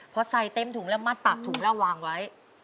พอใส่เต็มถุงแล้วมัดปากถุงแล้ววางไว้